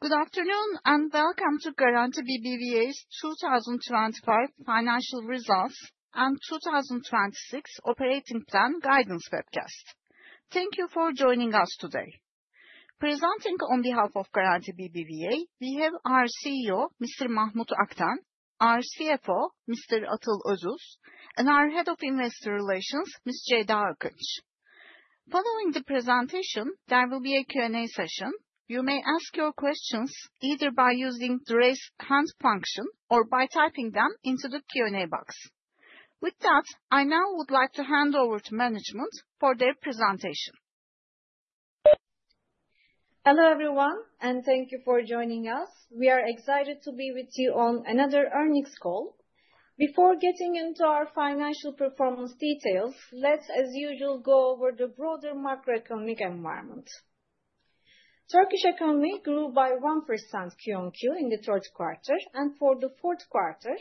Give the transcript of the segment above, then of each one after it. Good afternoon and welcome to Garanti BBVA's 2025 Financial Results and 2026 Operating Plan Guidance webcast. Thank you for joining us today. Presenting on behalf of Garanti BBVA, we have our CEO, Mr. Mahmut Akten, our CFO, Mr. Atıl Özus, and our Head of Investor Relations, Ms. Ceyda Akınç. Following the presentation, there will be a Q&A session. You may ask your questions either by using the raise hand function or by typing them into the Q&A box. With that, I now would like to hand over to management for their presentation. Hello everyone, and thank you for joining us. We are excited to be with you on another earnings call. Before getting into our financial performance details, let's, as usual, go over the broader macroeconomic environment. Turkish economy grew by 1% QoQ in the third quarter, and for the fourth quarter,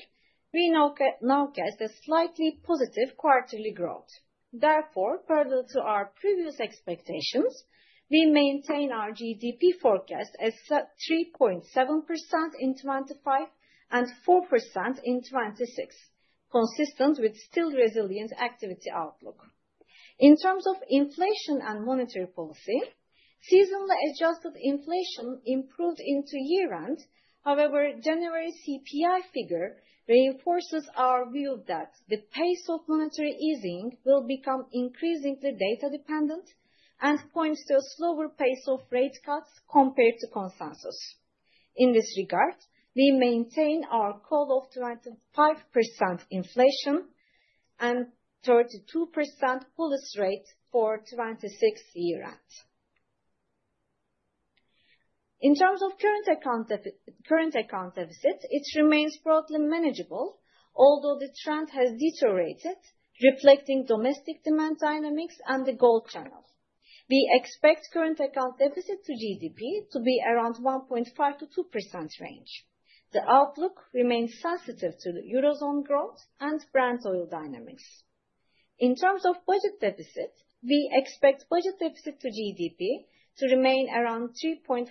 we now get a slightly positive quarterly growth. Therefore, parallel to our previous expectations, we maintain our GDP forecast as 3.7% in 2025 and 4% in 2026, consistent with still resilient activity outlook. In terms of inflation and monetary policy, seasonally adjusted inflation improved into year-end. However, January CPI figure reinforces our view that the pace of monetary easing will become increasingly data-dependent and points to a slower pace of rate cuts compared to consensus. In this regard, we maintain our call of 25% inflation and 32% policy rate for 2026 year-end. In terms of current account deficit, current account deficit, it remains broadly manageable, although the trend has deteriorated, reflecting domestic demand dynamics and the gold channel. We expect current account deficit to GDP to be around 1.5%-2% range. The outlook remains sensitive to the Eurozone growth and Brent oil dynamics. In terms of budget deficit, we expect budget deficit to GDP to remain around 3.5%,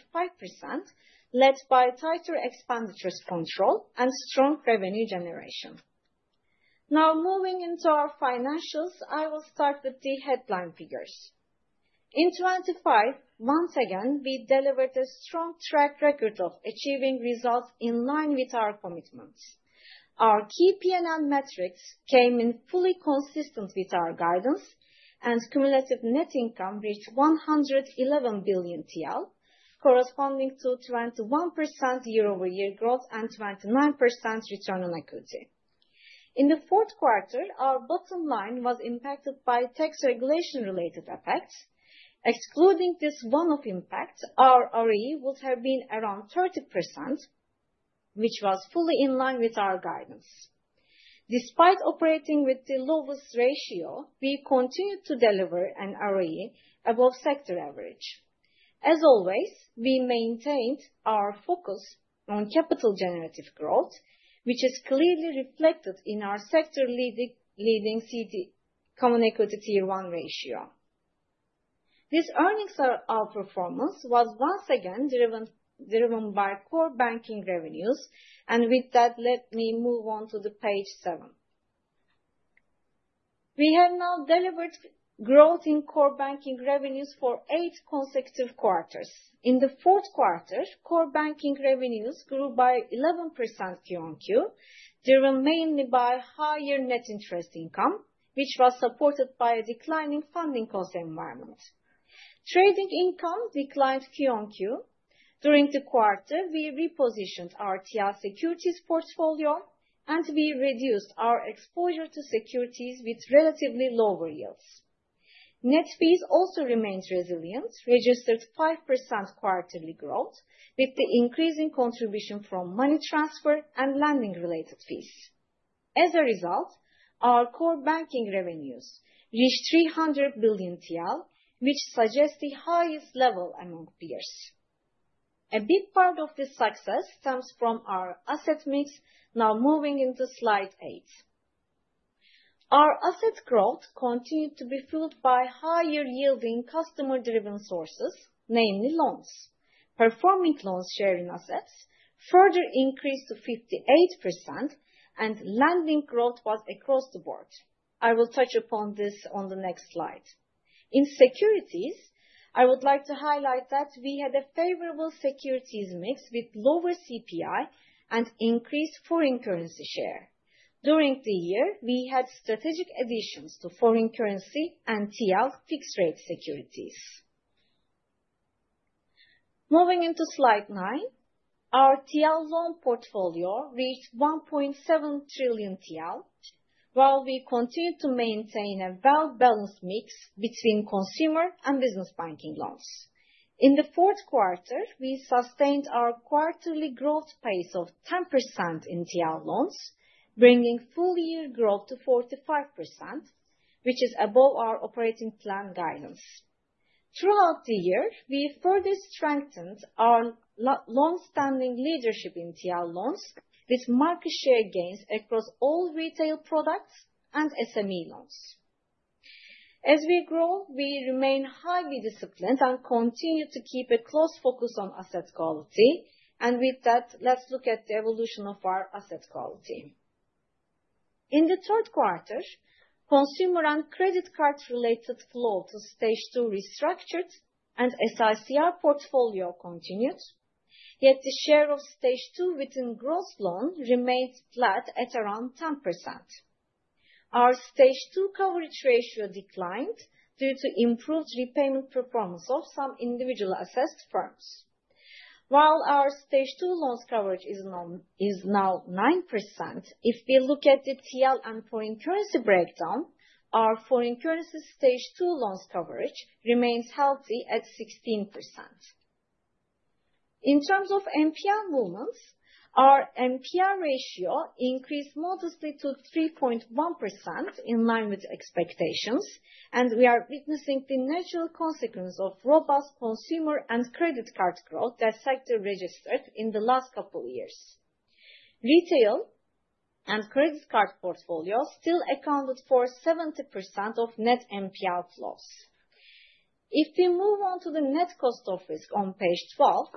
led by tighter expenditures control and strong revenue generation. Now, moving into our financials, I will start with the headline figures. In 2025, once again, we delivered a strong track record of achieving results in line with our commitments. Our key P&L metrics came in fully consistent with our guidance, and cumulative net income reached TL 111 billion, corresponding to 21% year-over-year growth and 29% return on equity. In the fourth quarter, our bottom line was impacted by tax regulation-related effects. Excluding this one-off impact, our ROE would have been around 30%, which was fully in line with our guidance. Despite operating with the lowest ratio, we continued to deliver an ROE above sector average. As always, we maintained our focus on capital-generative growth, which is clearly reflected in our sector-leading CET1 Common Equity Tier 1 ratio. This earnings performance was once again driven by core banking revenues. With that, let me move on to page 7. We have now delivered growth in core banking revenues for eight consecutive quarters. In the fourth quarter, core banking revenues grew by 11% QoQ, driven mainly by higher net interest income, which was supported by a declining funding cost environment. Trading income declined QoQ. During the quarter, we repositioned our TL securities portfolio, and we reduced our exposure to securities with relatively lower yields. Net fees also remained resilient, registered 5% quarterly growth with the increasing contribution from money transfer and lending-related fees. As a result, our core banking revenues reached 300 billion TL, which suggests the highest level among peers. A big part of this success stems from our asset mix, now moving into slide 8. Our asset growth continued to be fueled by higher-yielding customer-driven sources, namely loans. Performing loans share in assets further increased to 58%, and lending growth was across the board. I will touch upon this on the next slide. In securities, I would like to highlight that we had a favorable securities mix with lower CPI and increased foreign currency share. During the year, we had strategic additions to foreign currency and Turkish lira fixed-rate securities. Moving into slide 9, our TL loan portfolio reached 1.7 trillion TL, while we continue to maintain a well-balanced mix between consumer and business banking loans. In the fourth quarter, we sustained our quarterly growth pace of 10% in TL loans, bringing full-year growth to 45%, which is above our operating plan guidance. Throughout the year, we further strengthened our longstanding leadership in TL loans with market share gains across all retail products and SME loans. As we grow, we remain highly disciplined and continue to keep a close focus on asset quality. And with that, let's look at the evolution of our asset quality. In the third quarter, consumer and credit card-related flow to Stage 2 restructured, and SICR portfolio continued. Yet, the share of Stage 2 within gross loan remained flat at around 10%. Our Stage 2 coverage ratio declined due to improved repayment performance of some individual-assessed firms. While our Stage 2 loans coverage is now 9%, if we look at the TL and foreign currency breakdown, our foreign currency Stage 2 loans coverage remains healthy at 16%. In terms of NPL movements, our NPL ratio increased modestly to 3.1% in line with expectations, and we are witnessing the natural consequence of robust consumer and credit card growth that sector registered in the last couple of years. Retail and credit card portfolios still accounted for 70% of net NPL flows. If we move on to the net cost of risk on page 12,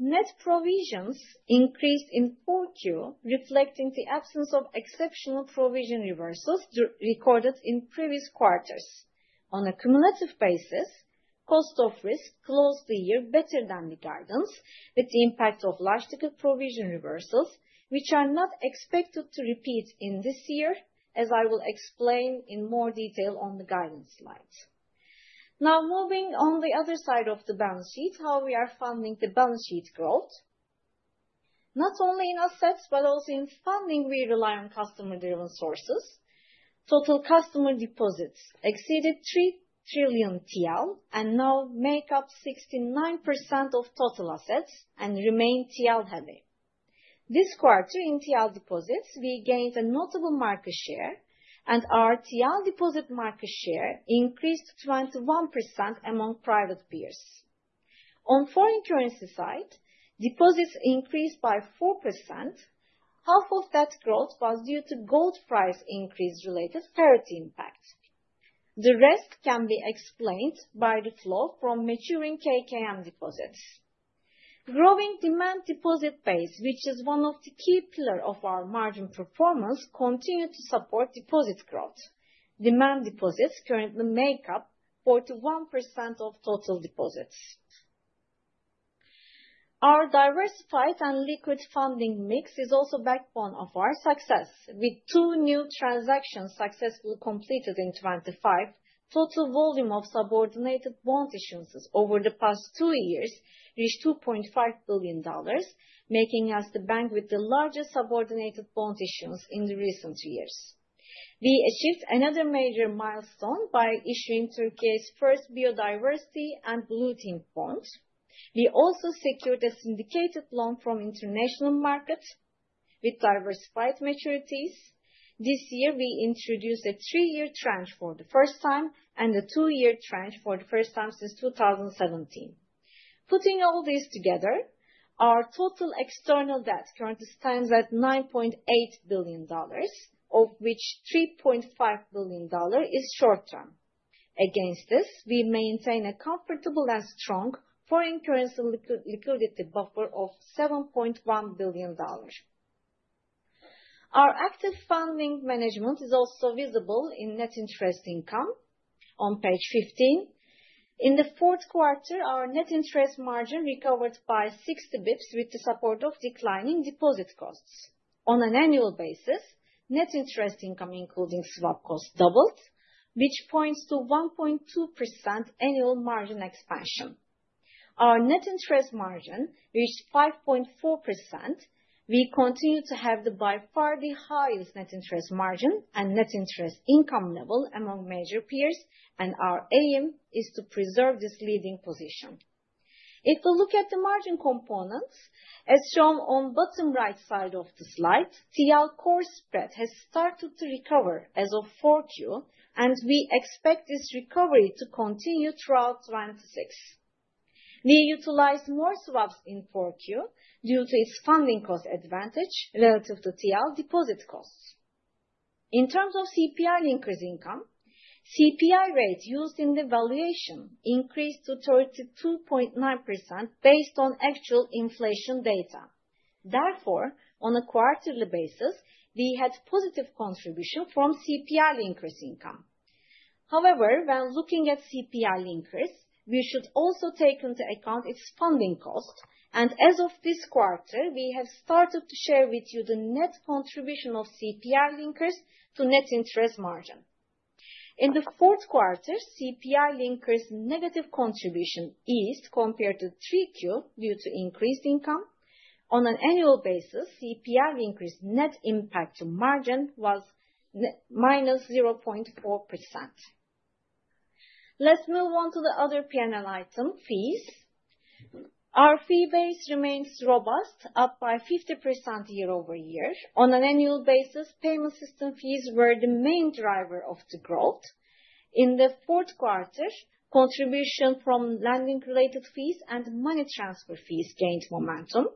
net provisions increased in QoQ, reflecting the absence of exceptional provision reversals recorded in previous quarters. On a cumulative basis, cost of risk closed the year better than the guidance with the impact of large-ticket provision reversals, which are not expected to repeat in this year, as I will explain in more detail on the guidance slides. Now, moving on the other side of the balance sheet, how we are funding the balance sheet growth. Not only in assets, but also in funding, we rely on customer-driven sources. Total customer deposits exceeded 3 trillion TL and now make up 69% of total assets and remain TL-heavy. This quarter, in TL deposits, we gained a notable market share, and our TL deposit market share increased 21% among private peers. On foreign currency side, deposits increased by 4%. Half of that growth was due to gold price increase-related parity impact. The rest can be explained by the flow from maturing KKM deposits. Growing demand deposit base, which is one of the key pillars of our margin performance, continued to support deposit growth. Demand deposits currently make up 41% of total deposits. Our diversified and liquid funding mix is also the backbone of our success, with two new transactions successfully completed in 2025. Total volume of subordinated bond issuances over the past two years reached $2.5 billion, making us the bank with the largest subordinated bond issuance in the recent years. We achieved another major milestone by issuing Turkey's first biodiversity and blue bond. We also secured a syndicated loan from the international market with diversified maturities. This year, we introduced a three-year tranche for the first time and a two-year tranche for the first time since 2017. Putting all these together, our total external debt currently stands at $9.8 billion, of which $3.5 billion is short-term. Against this, we maintain a comfortable and strong foreign currency liquidity buffer of $7.1 billion. Our active funding management is also visible in net interest income on page 15. In the fourth quarter, our net interest margin recovered by 60 basis points with the support of declining deposit costs. On an annual basis, net interest income, including swap costs, doubled, which points to 1.2% annual margin expansion. Our net interest margin reached 5.4%. We continue to have by far the highest net interest margin and net interest income level among major peers, and our aim is to preserve this leading position. If we look at the margin components, as shown on the bottom right side of the slide, TL core spread has started to recover as of QoQ, and we expect this recovery to continue throughout 2026. We utilized more swaps in QoQ due to its funding cost advantage relative to TL deposit costs. In terms of CPI Linkers income, the CPI rate used in the valuation increased to 32.9% based on actual inflation data. Therefore, on a quarterly basis, we had a positive contribution from CPI Linkers income. However, when looking at CPI Linkers, we should also take into account its funding cost. As of this quarter, we have started to share with you the net contribution of CPI Linkers to net interest margin. In the fourth quarter, CPI Linkers' negative contribution eased compared to QoQ due to increased income. On an annual basis, CPI Linkers' net impact to margin was minus 0.4%. Let's move on to the other P&L item, fees. Our fee base remains robust, up by 50% year-over-year. On an annual basis, payment system fees were the main driver of the growth. In the fourth quarter, contribution from lending-related fees and money transfer fees gained momentum.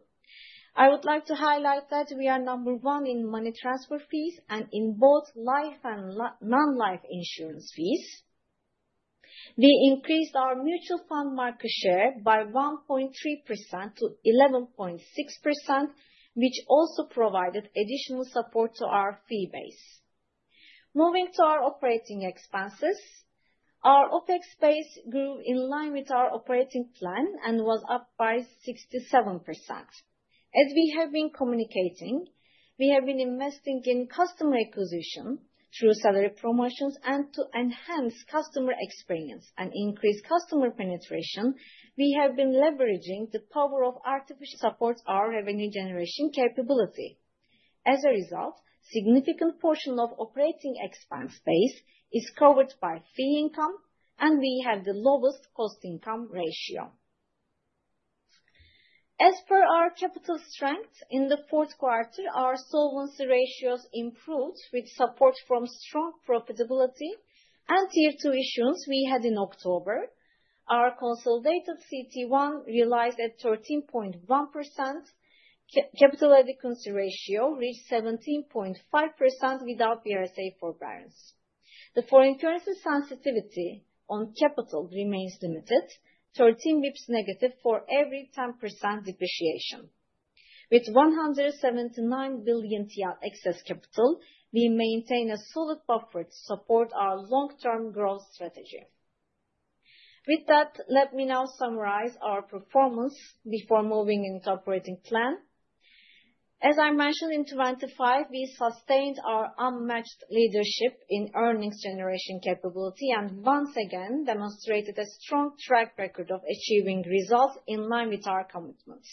I would like to highlight that we are number one in money transfer fees and in both life and non-life insurance fees. We increased our mutual fund market share by 1.3% to 11.6%, which also provided additional support to our fee base. Moving to our operating expenses, our OpEx base grew in line with our operating plan and was up by 67%. As we have been communicating, we have been investing in customer acquisition through salary promotions and to enhance customer experience and increase customer penetration, we have been leveraging the power of artificial intelligence to support our revenue generation capability. As a result, a significant portion of the operating expense base is covered by fee income, and we have the lowest cost-income ratio. As per our capital strength, in the fourth quarter, our solvency ratios improved with support from strong profitability and Tier 2 issuance we had in October. Our consolidated CET1 realized at 13.1%. Capital Adequacy Ratio reached 17.5% without BRSA forbearance. The foreign currency sensitivity on capital remains limited, 13 basis points negative for every 10% depreciation. With 179 billion TL excess capital, we maintain a solid buffer to support our long-term growth strategy. With that, let me now summarize our performance before moving into the operating plan. As I mentioned, in 2025, we sustained our unmatched leadership in earnings generation capability and once again demonstrated a strong track record of achieving results in line with our commitments.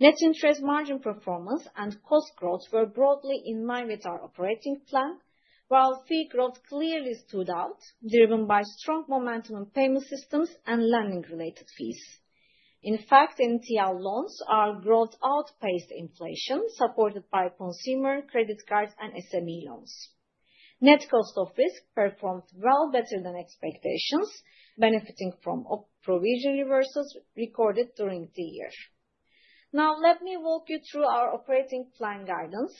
Net interest margin performance and cost growth were broadly in line with our operating plan, while fee growth clearly stood out, driven by strong momentum in payment systems and lending-related fees. In fact, in TL loans, our growth outpaced inflation supported by consumer credit cards and SME loans. Net cost of risk performed well, better than expectations, benefiting from provision reversals recorded during the year. Now, let me walk you through our operating plan guidance.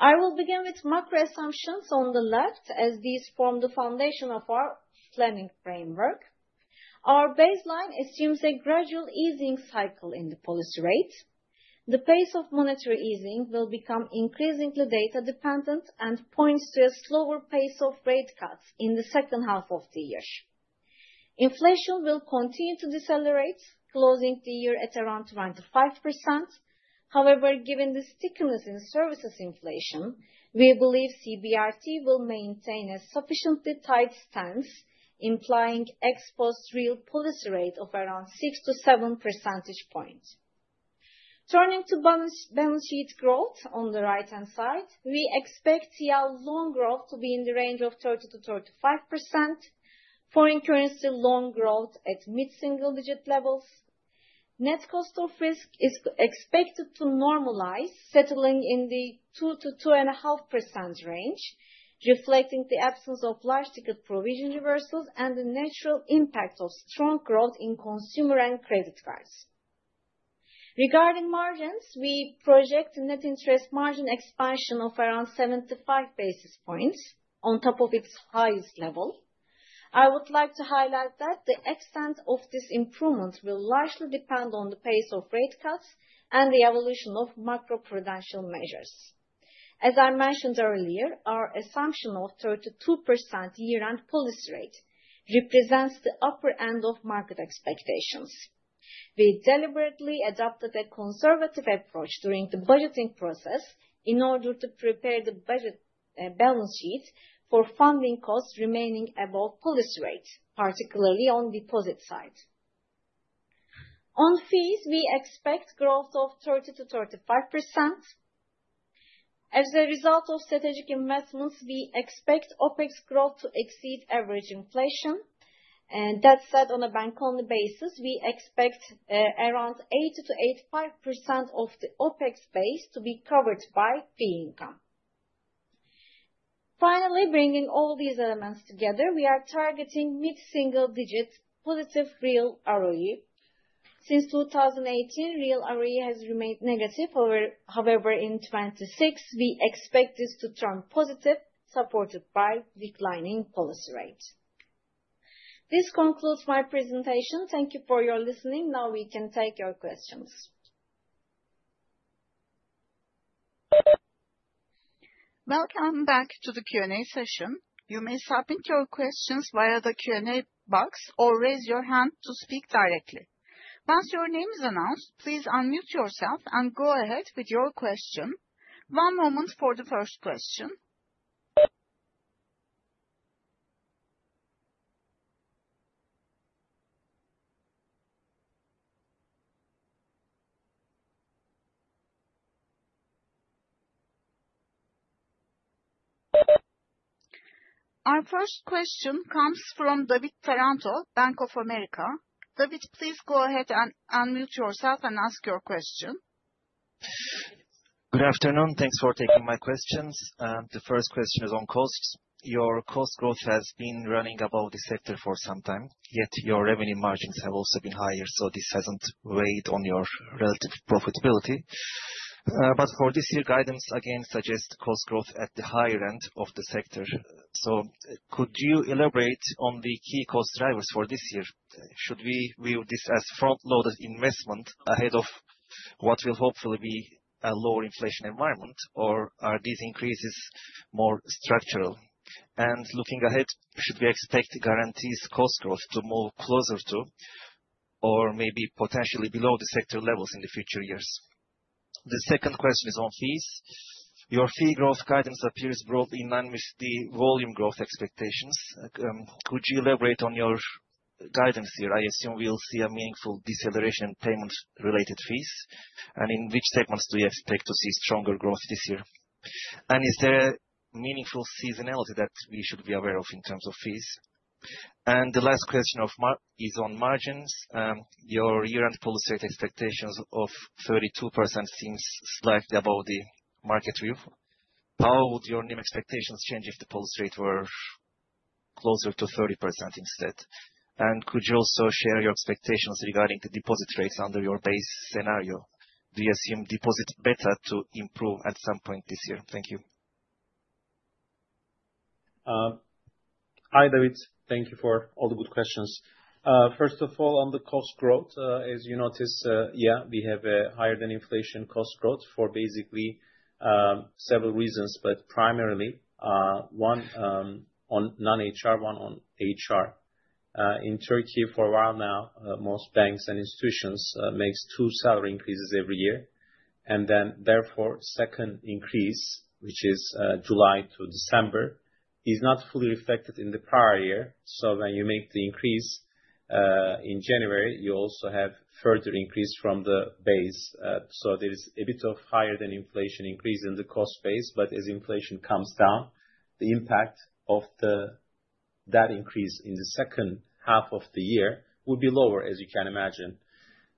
I will begin with macro assumptions on the left as these form the foundation of our planning framework. Our baseline assumes a gradual easing cycle in the policy rate. The pace of monetary easing will become increasingly data-dependent and points to a slower pace of rate cuts in the second half of the year. Inflation will continue to decelerate, closing the year at around 25%. However, given the stickiness in services inflation, we believe CBRT will maintain a sufficiently tight stance, implying ex post real policy rate of around 6-7 percentage points. Turning to balance sheet growth on the right-hand side, we expect TL loan growth to be in the range of 30%-35%, foreign currency loan growth at mid-single digit levels. Net cost of risk is expected to normalize, settling in the 2%-2.5% range, reflecting the absence of large-ticket provision reversals and the natural impact of strong growth in consumer and credit cards. Regarding margins, we project a net interest margin expansion of around 75 basis points on top of its highest level. I would like to highlight that the extent of this improvement will largely depend on the pace of rate cuts and the evolution of macro prudential measures. As I mentioned earlier, our assumption of a 32% year-end policy rate represents the upper end of market expectations. We deliberately adopted a conservative approach during the budgeting process in order to prepare the budget balance sheet for funding costs remaining above policy rate, particularly on the deposit side. On fees, we expect growth of 30%-35%. As a result of strategic investments, we expect OpEx growth to exceed average inflation. That said, on a bank-only basis, we expect around 80%-85% of the OpEx base to be covered by fee income. Finally, bringing all these elements together, we are targeting mid-single digit positive real ROE. Since 2018, real ROE has remained negative. However, in 2026, we expect this to turn positive, supported by a declining policy rate. This concludes my presentation. Thank you for listening. Now, we can take your questions. Welcome back to the Q&A session. You may submit your questions via the Q&A box or raise your hand to speak directly. Once your name is announced, please unmute yourself and go ahead with your question. One moment for the first question. Our first question comes from David Taranto, Bank of America. David, please go ahead and unmute yourself and ask your question. Good afternoon. Thanks for taking my questions. The first question is on costs. Your cost growth has been running above the sector for some time, yet your revenue margins have also been higher, so this hasn't weighed on your relative profitability. But for this year, guidance again suggests cost growth at the higher end of the sector. So could you elaborate on the key cost drivers for this year? Should we view this as front-loaded investment ahead of what will hopefully be a lower inflation environment, or are these increases more structural? Looking ahead, should we expect guarantees cost growth to move closer to or maybe potentially below the sector levels in the future years? The second question is on fees. Your fee growth guidance appears broadly in line with the volume growth expectations. Could you elaborate on your guidance here? I assume we'll see a meaningful deceleration in payment-related fees. In which segments do you expect to see stronger growth this year? Is there a meaningful seasonality that we should be aware of in terms of fees? The last question is on margins. Your year-end policy rate expectations of 32% seem slightly above the market review. How would your new expectations change if the policy rate were closer to 30% instead? Could you also share your expectations regarding the deposit rates under your base scenario? Do you assume deposit beta to improve at some point this year? Thank you. Hi, David. Thank you for all the good questions. First of all, on the cost growth, as you notice, yeah, we have a higher-than-inflation cost growth for basically several reasons, but primarily one on non-HR, one on HR. In Turkey, for a while now, most banks and institutions make two salary increases every year. Then, therefore, the second increase, which is July to December, is not fully reflected in the prior year. So when you make the increase in January, you also have a further increase from the base. So there is a bit of higher-than-inflation increase in the cost base. But as inflation comes down, the impact of that increase in the second half of the year will be lower, as you can imagine.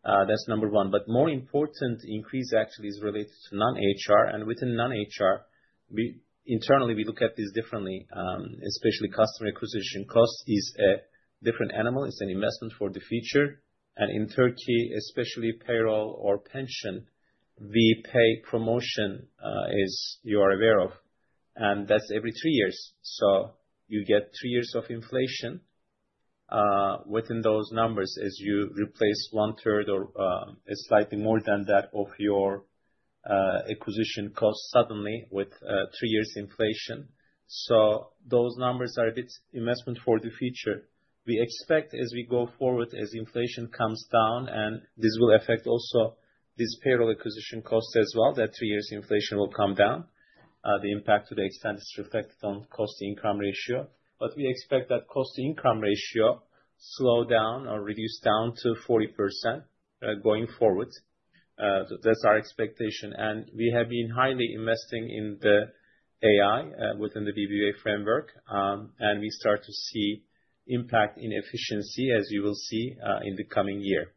That's number one. But the more important increase, actually, is related to non-HR. And within non-HR, internally, we look at this differently, especially customer acquisition cost. It's a different animal. It's an investment for the future. And in Turkey, especially payroll or pension, we pay promotion, as you are aware of. And that's every three years. So you get three years of inflation within those numbers as you replace one-third or slightly more than that of your acquisition cost suddenly with three years' inflation. So those numbers are a bit of an investment for the future. We expect, as we go forward, as inflation comes down, and this will affect also these payroll acquisition costs as well, that three years' inflation will come down. The impact, to the extent it's reflected on the cost-to-income ratio. But we expect that cost-to-income ratio to slow down or reduce down to 40% going forward. That's our expectation. We have been highly investing in AI within the BBVA framework. We start to see an impact in efficiency, as you will see, in the coming year.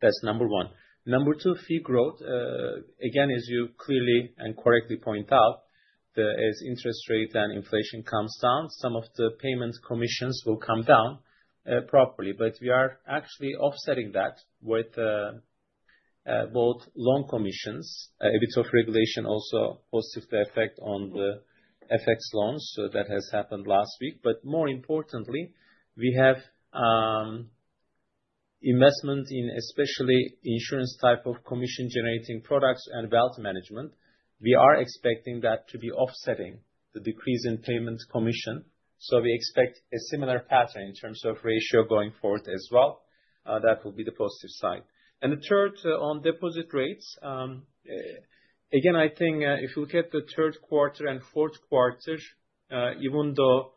That's number one. Number two, fee growth. Again, as you clearly and correctly point out, as interest rates and inflation come down, some of the payment commissions will come down properly. But we are actually offsetting that with both loan commissions, a bit of regulation also positively affecting the FX loans. So that has happened last week. But more importantly, we have investment in especially insurance-type of commission-generating products and wealth management. We are expecting that to be offsetting the decrease in payment commission. So we expect a similar pattern in terms of ratio going forward as well. That will be the positive side. The third, on deposit rates. Again, I think if you look at the third quarter and fourth quarter, even though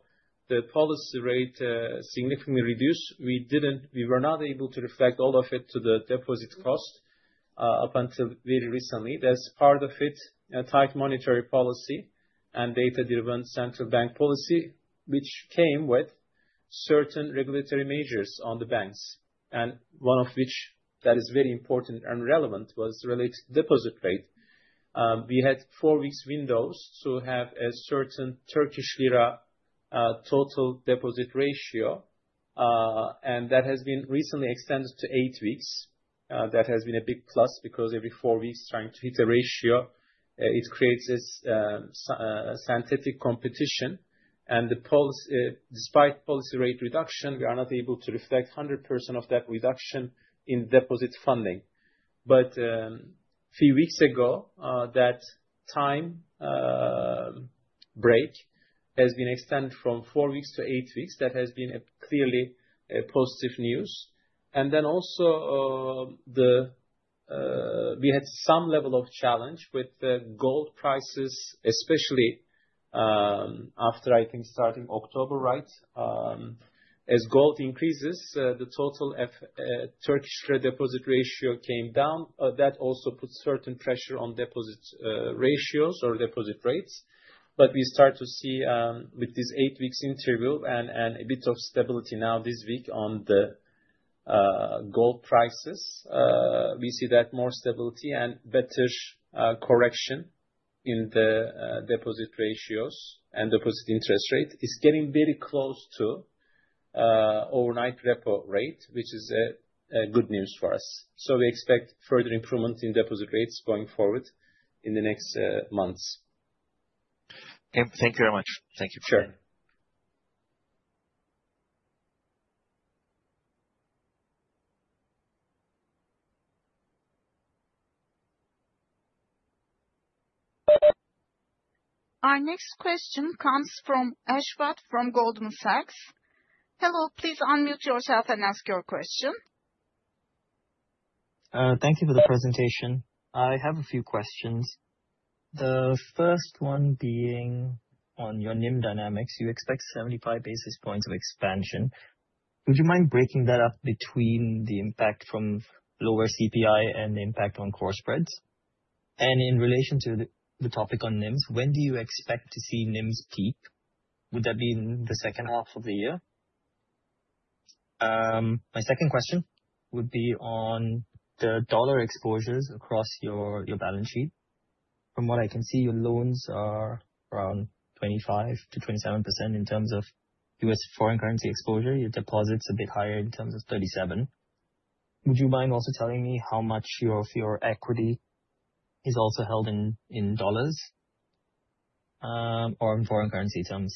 the policy rate significantly reduced, we were not able to reflect all of it to the deposit cost up until very recently. That's part of it: tight monetary policy and data-driven central bank policy, which came with certain regulatory measures on the banks. And one of which, that is very important and relevant, was related to the deposit rate. We had four weeks windows to have a certain Turkish lira total deposit ratio. And that has been recently extended to eight weeks. That has been a big plus because every four weeks, trying to hit a ratio, it creates a synthetic competition. And despite policy rate reduction, we are not able to reflect 100% of that reduction in deposit funding. But a few weeks ago, that time break has been extended from four weeks to eight weeks. That has been clearly positive news. And then also, we had some level of challenge with gold prices, especially after, I think, starting October, right? As gold increases, the total Turkish lira deposit ratio came down. That also puts certain pressure on deposit ratios or deposit rates. But we start to see, with this eight weeks interval and a bit of stability now this week on the gold prices, we see that more stability and better correction in the deposit ratios and deposit interest rate. It's getting very close to the overnight repo rate, which is good news for us. So we expect further improvement in deposit rates going forward in the next months. Thank you very much. Thank you. Sure. Our next question comes from Ashwath from Goldman Sachs. Hello. Please unmute yourself and ask your question. Thank you for the presentation. I have a few questions. The first one being on your NIM dynamics, you expect 75 basis points of expansion. Would you mind breaking that up between the impact from lower CPI and the impact on core spreads? And in relation to the topic on NIMs, when do you expect to see NIMs peak? Would that be in the second half of the year? My second question would be on the dollar exposures across your balance sheet. From what I can see, your loans are around 25%-27% in terms of US foreign currency exposure. Your deposit's a bit higher in terms of 37%. Would you mind also telling me how much of your equity is also held in dollars or in foreign currency terms?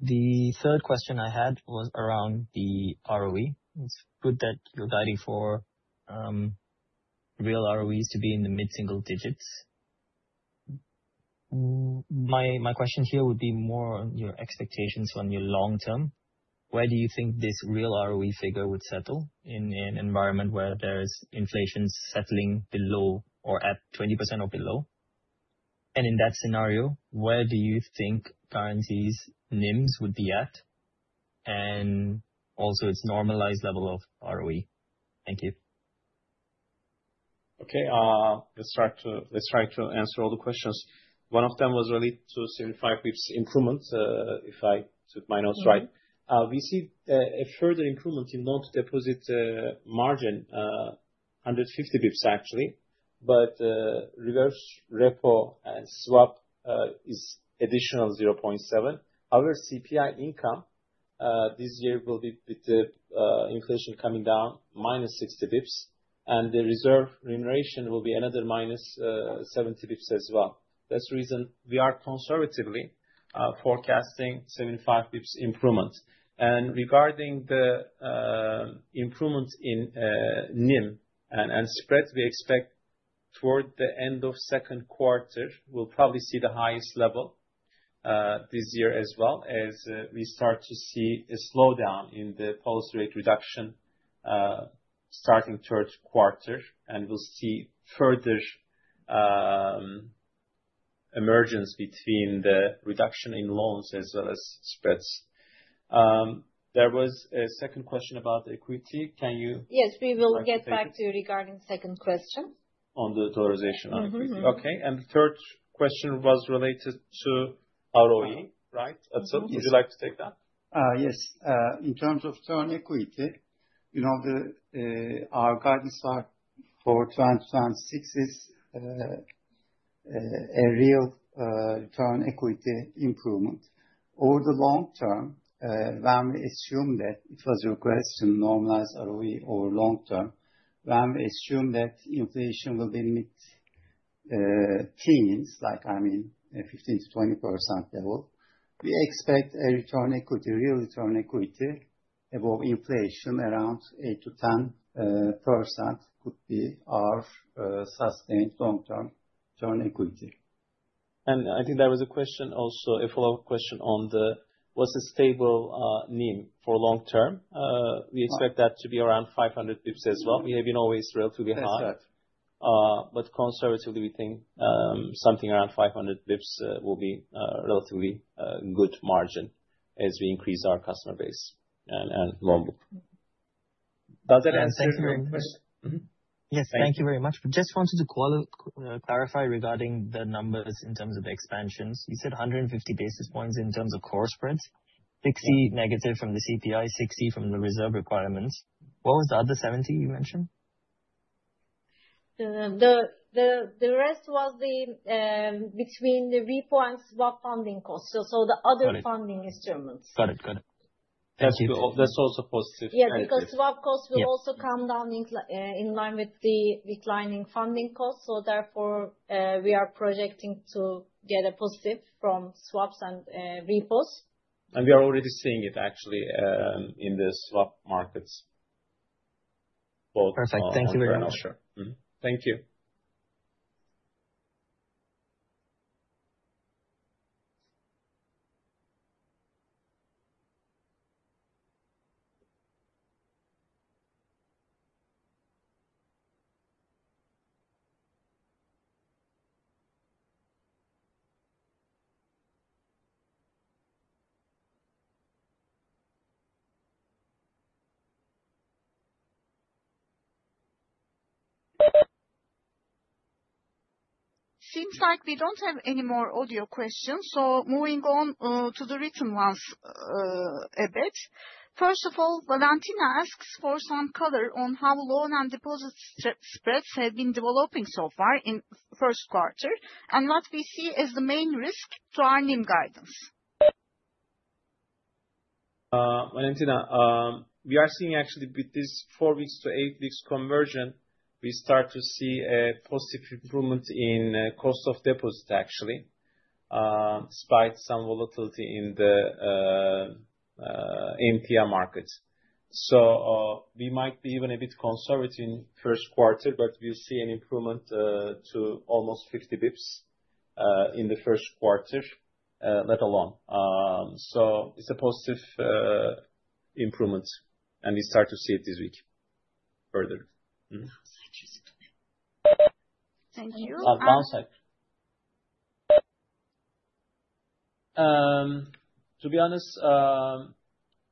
The third question I had was around the ROE. It's good that you're guiding for real ROEs to be in the mid-single digits. My question here would be more on your expectations on your long term. Where do you think this real ROE figure would settle in an environment where there is inflation settling below or at 20% or below? And in that scenario, where do you think Garanti's NIMs would be at and also its normalized level of ROE? Thank you. Okay. Let's try to answer all the questions. One of them was related to 75 basis points improvement, if I took my notes right. We see a further improvement in loan-to-deposit margin, 150 basis points, actually. But reverse repo and swap is an additional 0.7. Our CPI income this year will be with the inflation coming down, minus 60 basis points. And the reserve remuneration will be another minus 70 basis points as well. That's the reason we are conservatively forecasting 75 basis points improvement. Regarding the improvement in NIM and spread, we expect toward the end of the second quarter, we'll probably see the highest level this year as well, as we start to see a slowdown in the policy rate reduction starting third quarter. And we'll see further emergence between the reduction in loans as well as spreads. There was a second question about equity. Can you? Yes. We will get back to you regarding the second question. On the dollarization on equity. Okay. And the third question was related to ROE, right? Atıl, would you like to take that? Yes. In terms of return on equity, our guidance for 2026 is a real return on equity improvement. Over the long term, when we assume that it was your question, normalized ROE over long term, when we assume that inflation will be in the mid-teens, I mean, 15%-20% level, we expect a return on equity, real return on equity, above inflation around 8%-10% could be our sustained long-term return on equity. And I think there was a question also, a follow-up question on the. Was a stable NIM for long term. We expect that to be around 500 basis points as well. We have been always relatively high. But conservatively, we think something around 500 basis points will be a relatively good margin as we increase our customer base and loan book. Does that answer your question? Yes. Thank you very much. I just wanted to clarify regarding the numbers in terms of the expansions. You said 150 basis points in terms of core spreads, 60 negative from the CPI, 60 from the reserve requirements. What was the other 70 you mentioned? The rest was between the repo and swap funding cost. So the other funding instruments. Got it. Got it. That's also positive. Yeah. Because swap cost will also come down in line with the declining funding cost. So therefore, we are projecting to get a positive from swaps and repos. And we are already seeing it, actually, in the swap markets. Perfect. Thank you very much. Thank you. Seems like we don't have any more audio questions. So moving on to the written ones a bit. First of all, Valentina asks for some color on how loan and deposit spreads have been developing so far in the first quarter and what we see as the main risk to our NIM guidance. Valentina, we are seeing, actually, with this four weeks to eight weeks conversion, we start to see a positive improvement in cost of deposit, actually, despite some volatility in the end tier market. We might be even a bit conservative in the first quarter, but we'll see an improvement to almost 50 basis points in the first quarter, let alone. It's a positive improvement. We start to see it this week further. Thank you. To be honest,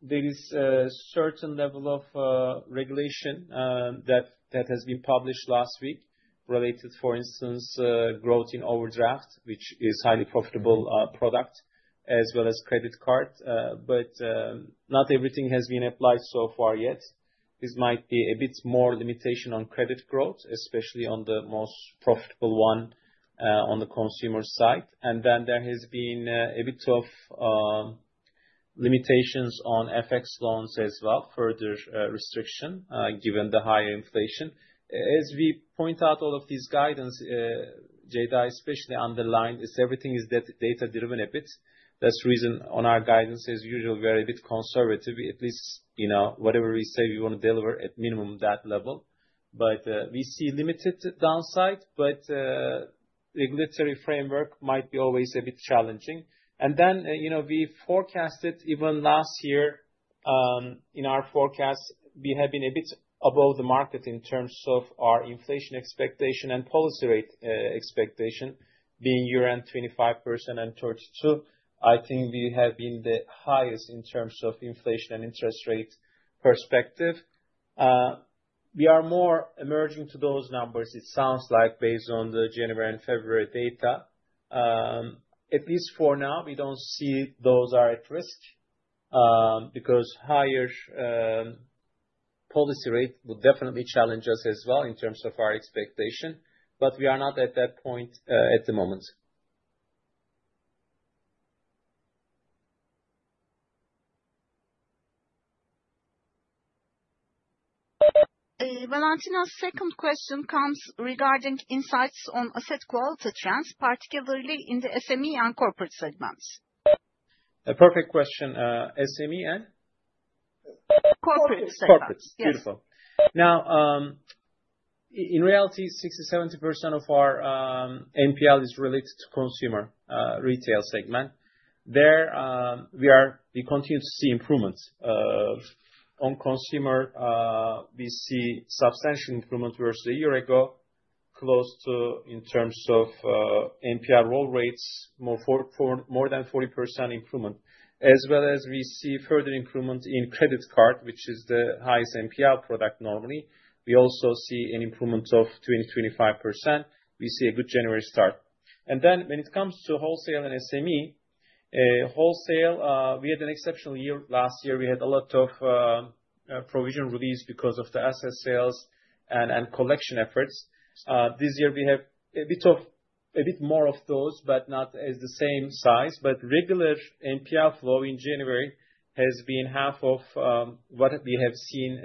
there is a certain level of regulation that has been published last week related, for instance, to growth in overdraft, which is a highly profitable product, as well as credit card. Not everything has been applied so far yet. There might be a bit more limitation on credit growth, especially on the most profitable one on the consumer side. And then there has been a bit of limitations on FX loans as well, further restriction given the higher inflation. As we point out, all of these guidances, Ceyda especially underlined, is everything is data-driven a bit. That's the reason on our guidance, as usual, we are a bit conservative. At least whatever we say, we want to deliver at minimum that level. But we see limited downside. But the regulatory framework might be always a bit challenging. And then we forecasted even last year, in our forecasts, we have been a bit above the market in terms of our inflation expectation and policy rate expectation being year-end 25% and 32%. I think we have been the highest in terms of inflation and interest rate perspective. We are more emerging to those numbers, it sounds like, based on the January and February data. At least for now, we don't see those are at risk because a higher policy rate would definitely challenge us as well in terms of our expectation. But we are not at that point at the moment. Valentina's second question comes regarding insights on asset quality trends, particularly in the SME and corporate segments. Perfect question. SME and? Corporate segment. Corporate. Yes. Beautiful. Now, in reality, 60%-70% of our NPL is related to the consumer retail segment. There, we continue to see improvement. On consumer, we see substantial improvement versus a year ago, close to in terms of NPL roll rates, more than 40% improvement. As well as we see further improvement in credit card, which is the highest NPL product normally. We also see an improvement of 20%-25%. We see a good January start. Then when it comes to wholesale and SME, wholesale, we had an exceptional year. Last year, we had a lot of provision release because of the asset sales and collection efforts. This year, we have a bit more of those, but not as the same size. But regular NPL flow in January has been half of what we have seen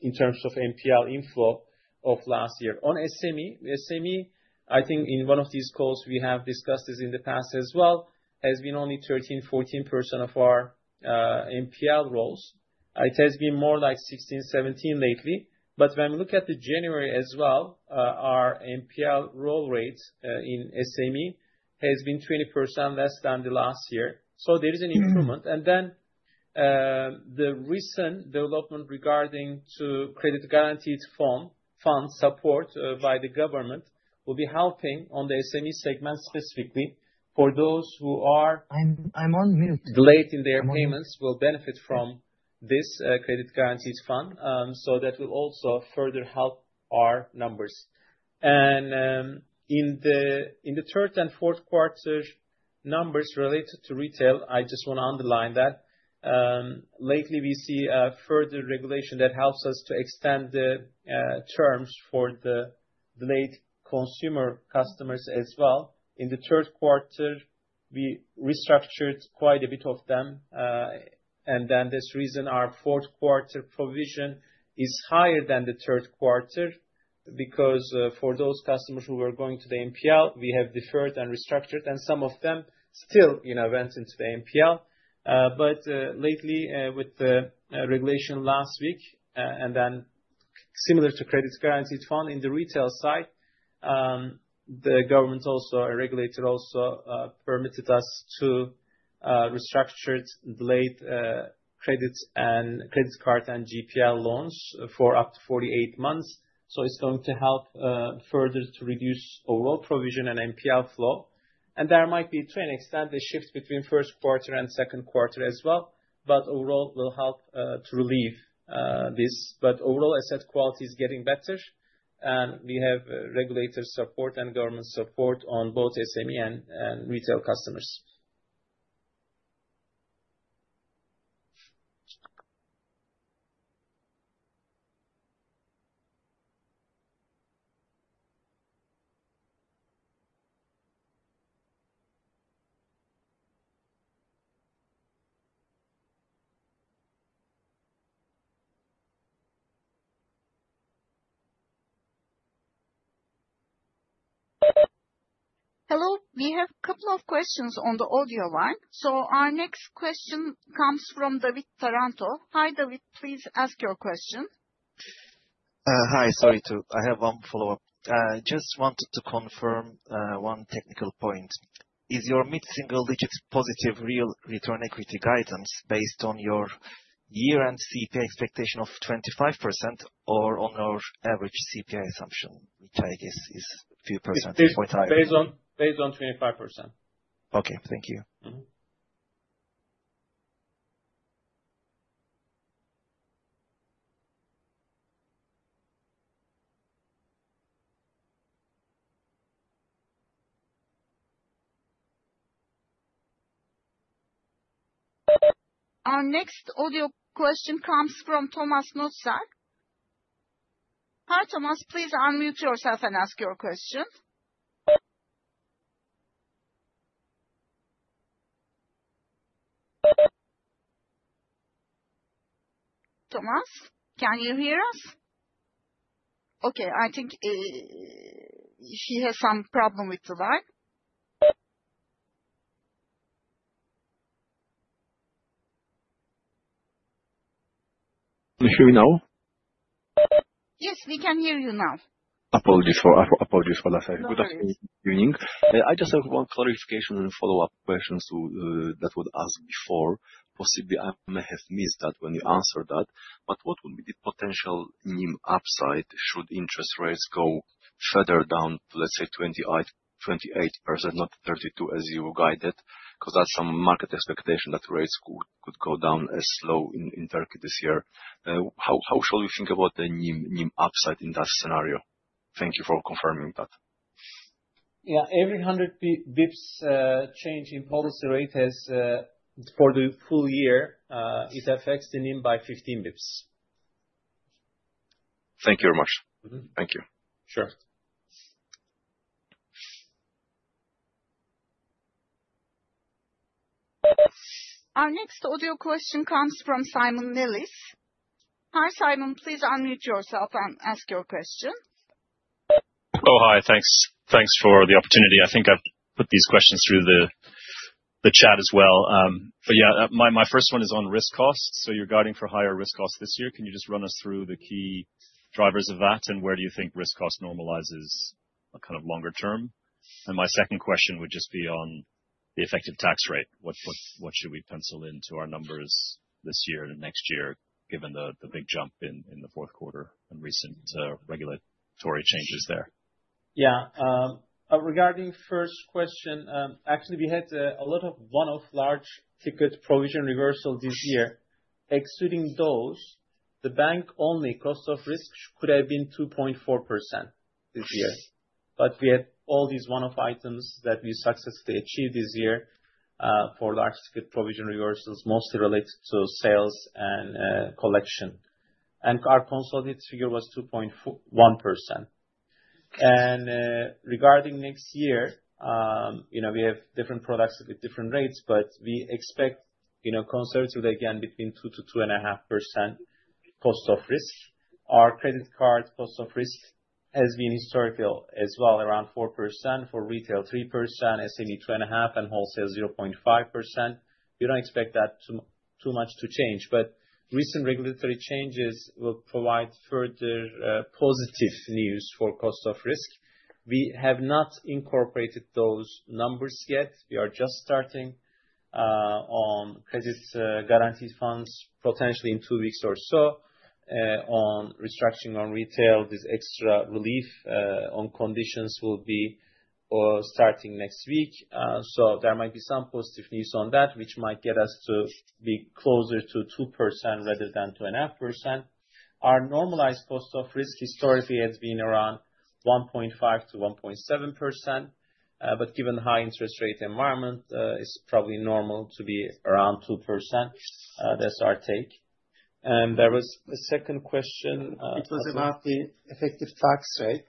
in terms of NPL inflow of last year. On SME, I think in one of these calls we have discussed this in the past as well, has been only 13%-14% of our NPL rolls. It has been more like 16%-17% lately. But when we look at the January as well, our NPL roll rate in SME has been 20% less than the last year. So there is an improvement. And then the recent development regarding Credit Guarantee Fund support by the government will be helping on the SME segment specifically for those who are. I'm on mute. Late in their payments will benefit from this Credit Guarantee Fund. So that will also further help our numbers. And in the third and fourth quarter numbers related to retail, I just want to underline that. Lately, we see further regulation that helps us to extend the terms for the delayed consumer customers as well. In the third quarter, we restructured quite a bit of them. And then this reason, our fourth quarter provision is higher than the third quarter because for those customers who were going to the NPL, we have deferred and restructured. And some of them still went into the NPL. But lately, with the regulation last week and then similar to Credit Guarantee Fund in the retail side, the government also, a regulator, also permitted us to restructure delayed credit and credit card and GPL loans for up to 48 months. So it's going to help further to reduce overall provision and NPL flow. And there might be, to an extent, a shift between first quarter and second quarter as well. But overall, it will help to relieve this. But overall, asset quality is getting better. And we have regulator support and government support on both SME and retail customers. Hello. We have a couple of questions on the audio line. So our next question comes from David Taranto. Hi, David. Please ask your question. Hi. Sorry too. I have one follow-up. Just wanted to confirm one technical point. Is your mid-single digits positive real return equity guidance based on your year-end CPI expectation of 25% or on our average CPI assumption, which I guess is a few percentage points higher? It's based on 25%. Okay. Thank you. Our next audio question comes from Tomasz Noetzel. Hi, Tomasz. Please unmute yourself and ask your question. Tomasz, can you hear us? Okay. I think she has some problem with the line. Can you hear me now? Yes. We can hear you now. Apologies for last time. Good afternoon. Good evening. I just have one clarification and follow-up questions that were asked before. Possibly, I may have missed that when you answered that. But what would be the potential NIM upside should interest rates go further down to, let's say, 28%, not 32% as you guided? Because that's some market expectation that rates could go down as low in Turkey this year. How should we think about the NIM upside in that scenario? Thank you for confirming that. Yeah. Every 100 basis points change in policy rate for the full year, it affects the NIM by 15 basis points. Thank you very much. Thank you. Sure. Our next audio question comes from Simon Nellis. Hi, Simon. Please unmute yourself and ask your question. Oh, hi. Thanks for the opportunity. I think I've put these questions through the chat as well. But yeah, my first one is on risk costs. So you're guiding for higher risk costs this year. Can you just run us through the key drivers of that and where do you think risk costs normalizes kind of longer term? And my second question would just be on the effective tax rate. What should we pencil into our numbers this year and next year given the big jump in the fourth quarter and recent regulatory changes there? Yeah. Regarding the first question, actually, we had a lot of one-off large-ticket provision reversals this year. Excluding those, the bank-only cost of risk could have been 2.4% this year. But we had all these one-off items that we successfully achieved this year for large-ticket provision reversals, mostly related to sales and collection. Our consolidated figure was 2.1%. Regarding next year, we have different products with different rates, but we expect conservatively, again, between 2%-2.5% cost of risk. Our credit card cost of risk has been historical as well, around 4% for retail, 3%, SME, 2.5%, and wholesale, 0.5%. We don't expect that too much to change. Recent regulatory changes will provide further positive news for cost of risk. We have not incorporated those numbers yet. We are just starting on Credit Guarantee Fund, potentially in two weeks or so. On restructuring on retail, this extra relief on conditions will be starting next week. So there might be some positive news on that, which might get us to be closer to 2% rather than 2.5%. Our normalized cost of risk historically has been around 1.5%-1.7%. But given the high-interest rate environment, it's probably normal to be around 2%. That's our take. And there was a second question. It was about the effective tax rate.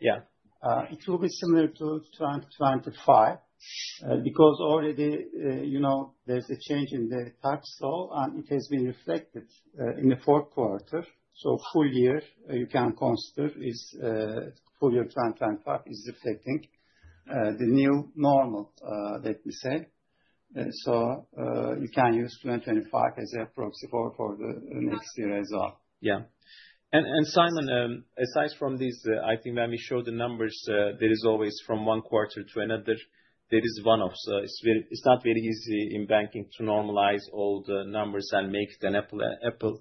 It will be similar to 2025 because already there's a change in the tax law, and it has been reflected in the fourth quarter. So full year, you can consider full year 2025 is reflecting the new normal, let me say. So you can use 2025 as a proxy for the next year as well. Yeah. And Simon, aside from this, I think when we show the numbers, there is always from one quarter to another, there is one-off. So it's not very easy in banking to normalize all the numbers and make it apples to apples.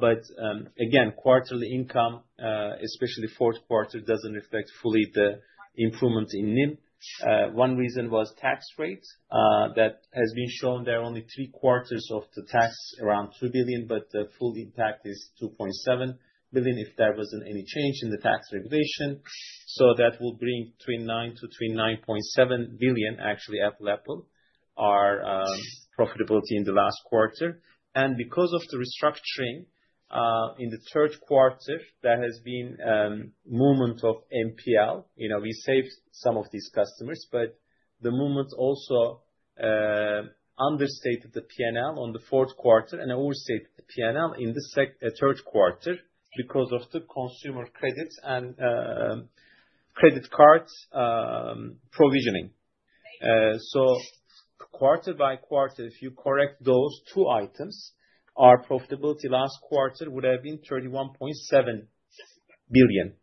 But again, quarterly income, especially fourth quarter, doesn't reflect fully the improvement in NIM. One reason was tax rate. That has been shown there are only three quarters of the tax around 2 billion, but the full impact is 2.7 billion if there wasn't any change in the tax regulation. So that will bring between 9 billion-9.7 billion, actually, apples-to-apples, our profitability in the last quarter. And because of the restructuring in the third quarter, there has been a movement of NPL. We saved some of these customers, but the movement also understated the P&L on the fourth quarter and overstated the P&L in the third quarter because of the consumer credits and credit card provisioning. So quarter by quarter, if you correct those two items, our profitability last quarter would have been 31.7 billion.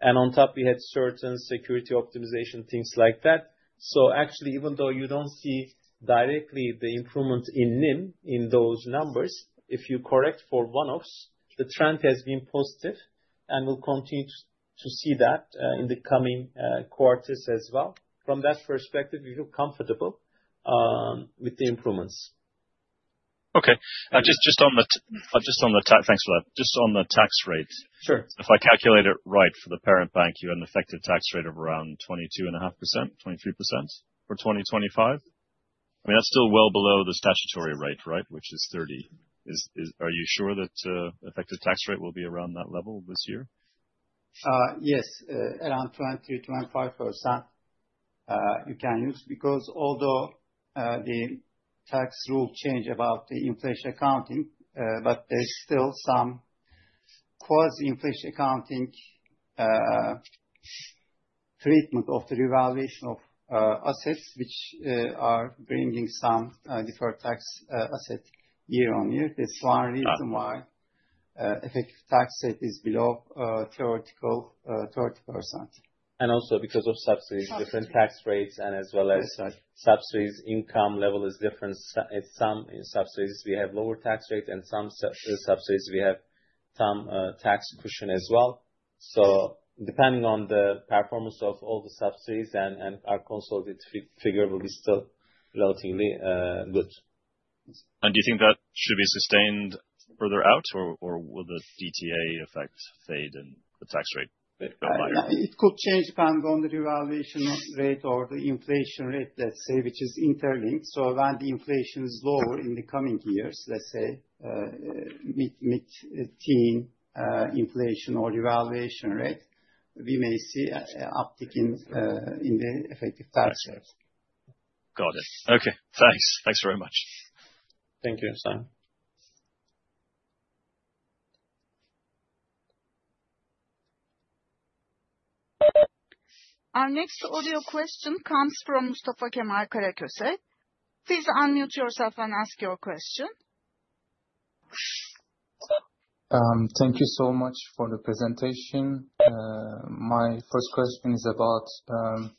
And on top, we had certain security optimization, things like that. So actually, even though you don't see directly the improvement in NIM in those numbers, if you correct for one-offs, the trend has been positive and will continue to see that in the coming quarters as well. From that perspective, we feel comfortable with the improvements. Okay. Just on the tax, thanks for that. Just on the tax rate, if I calculate it right for the parent bank, you have an effective tax rate of around 22.5%-23% for 2025. I mean, that's still well below the statutory rate, right, which is 30%. Are you sure that the effective tax rate will be around that level this year? Yes. Around 20%-25% you can use because although the tax rule changed about the inflation accounting, but there's still some quasi-inflation accounting treatment of the revaluation of assets, which are bringing some deferred tax asset year on year. That's one reason why the effective tax rate is below theoretical 30%. And also because of subsidies, different tax rates, and as well as subsidies, income level is different. In some subsidiaries, we have lower tax rates, and in some subsidiaries, we have some tax cushion as well. So depending on the performance of all the subsidiaries and our consolidated figure will be still relatively good. And do you think that should be sustained further out, or will the DTA effect fade and the tax rate go higher? It could change depending on the revaluation rate or the inflation rate, let's say, which is interlinked. So when the inflation is lower in the coming years, let's say, mid-teens inflation or revaluation rate, we may see an uptick in the effective tax rate. Got it. Okay. Thanks. Thanks very much. Thank you, Simon. Our next audio question comes from Mustafa Kemal Karaköse. Please unmute yourself and ask your question. Thank you so much for the presentation. My first question is about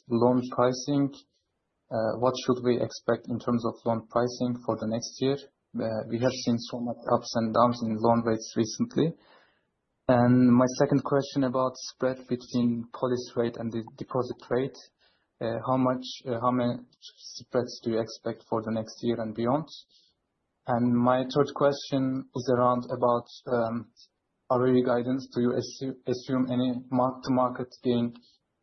loan pricing. What should we expect in terms of loan pricing for the next year? We have seen so much ups and downs in loan rates recently. My second question about spread between policy rate and the deposit rate, how many spreads do you expect for the next year and beyond? My third question is around ROE guidance. Do you assume any mark-to-market gain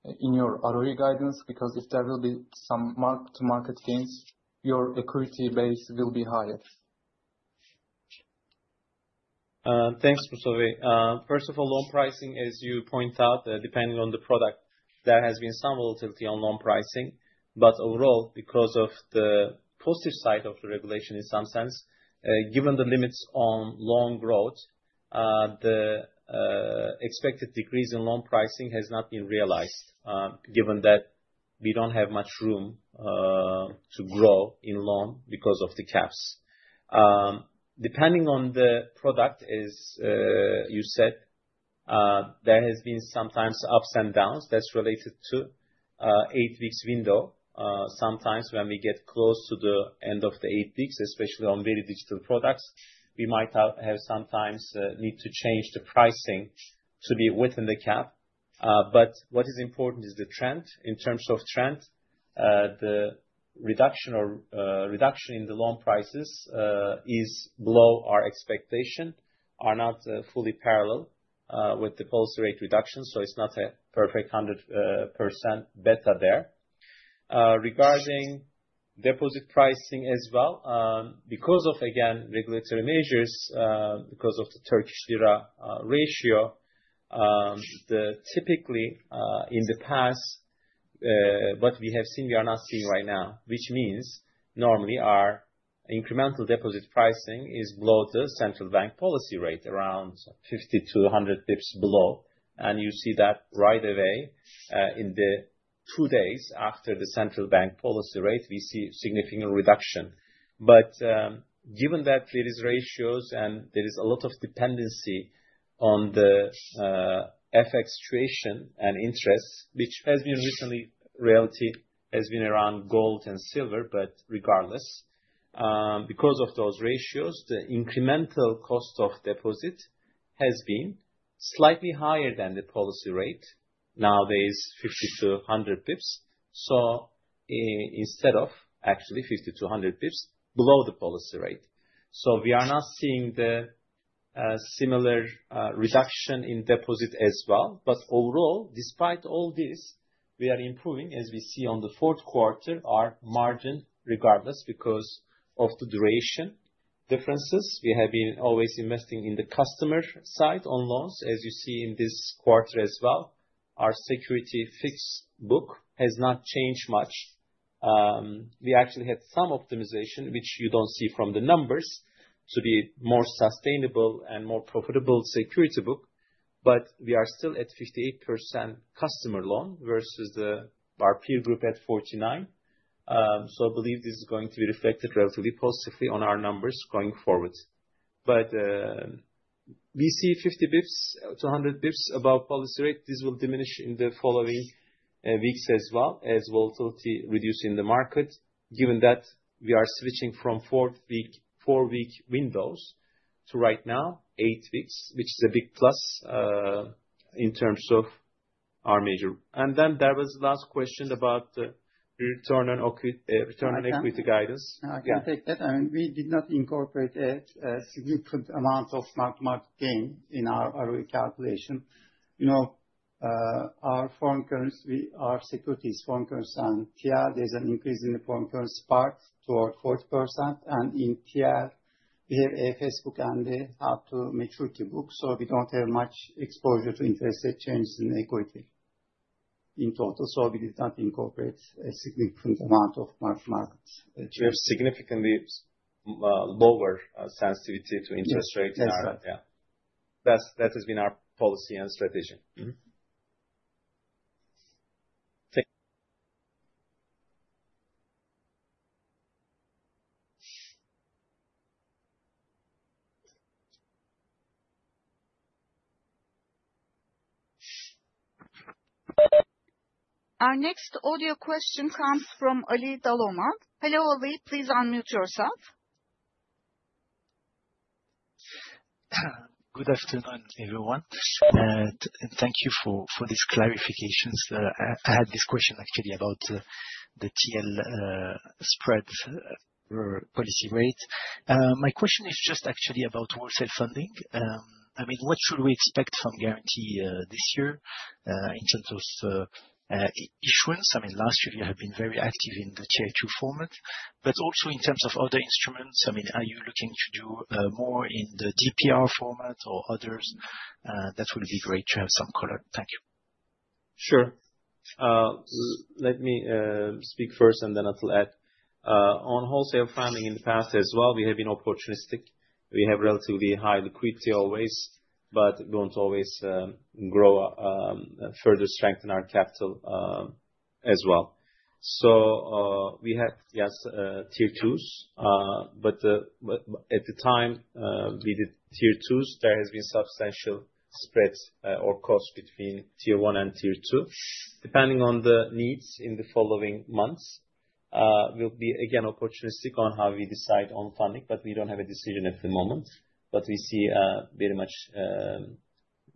in your ROE guidance? Because if there will be some mark-to-market gains, your equity base will be higher. Thanks, Mustafa. First of all, loan pricing, as you point out, depending on the product, there has been some volatility on loan pricing. Overall, because of the positive side of the regulation in some sense, given the limits on loan growth, the expected decrease in loan pricing has not been realized given that we don't have much room to grow in loan because of the caps. Depending on the product, as you said, there have been sometimes ups and downs that's related to the 8-weeks window. Sometimes when we get close to the end of the eight weeks, especially on very digital products, we might sometimes need to change the pricing to be within the cap. But what is important is the trend. In terms of trend, the reduction in the loan prices is below our expectation, are not fully parallel with the policy rate reduction. So it's not a perfect 100% beta there. Regarding deposit pricing as well, because of, again, regulatory measures, because of the Turkish Lira ratio, typically in the past, what we have seen, we are not seeing right now, which means normally our incremental deposit pricing is below the central bank policy rate, around 50-100 basis points below. And you see that right away. In the two days after the central bank policy rate, we see a significant reduction. But given that there are ratios and there is a lot of dependency on the FX situation and interest, which has been recently reality has been around gold and silver, but regardless, because of those ratios, the incremental cost of deposit has been slightly higher than the policy rate. Nowadays, 50-100 basis points. So instead of actually 50-100 basis points below the policy rate. So we are not seeing the similar reduction in deposit as well. But overall, despite all this, we are improving, as we see on the fourth quarter, our margin regardless because of the duration differences. We have been always investing in the customer side on loans, as you see in this quarter as well. Our security fixed book has not changed much. We actually had some optimization, which you don't see from the numbers, to be a more sustainable and more profitable security book. But we are still at 58% customer loan versus our peer group at 49%. So I believe this is going to be reflected relatively positively on our numbers going forward. But we see 50 basis points, 200 basis points above policy rate. This will diminish in the following weeks as well as volatility reducing in the market. Given that, we are switching from four-week windows to right now, eight weeks, which is a big plus in terms of our margin. And then there was the last question about the return on equity guidance. Can I take that? I mean, we did not incorporate a significant amount of mark-to-market gain in our ROE calculation. Our foreign currencies, our securities, foreign currencies, and TL, there's an increase in the foreign currency part toward 40%. And in TL, we have FX book and the hold-to-maturity book. So we don't have much exposure to interest rate changes in equity in total. So we did not incorporate a significant amount of mark-to-market change. We have significantly lower sensitivity to interest rate in our yeah. That has been our policy and strategy. Our next audio question comes from Ali Dhaloomal. Hello, Ali. Please unmute yourself. Good afternoon, everyone. And thank you for these clarifications. I had this question, actually, about the TL spread for policy rate. My question is just actually about wholesale funding. I mean, what should we expect from Garanti this year in terms of issuance? I mean, last year, you have been very active in the Tier 2 format, but also in terms of other instruments. I mean, are you looking to do more in the DPR format or others? That will be great to have some color. Thank you. Sure. Let me speak first, and then I'll add. On wholesale funding in the past as well, we have been opportunistic. We have relatively high liquidity always, but we won't always grow further, strengthen our capital as well. So we had, yes, Tier 2s. But at the time, we did Tier 2s. There has been substantial spread or cost between Tier 1 and Tier 2. Depending on the needs in the following months, we'll be, again, opportunistic on how we decide on funding, but we don't have a decision at the moment. But we see very much